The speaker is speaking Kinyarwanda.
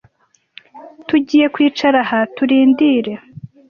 tugiye kwicara aha turindire